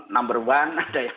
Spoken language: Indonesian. nomor one ada yang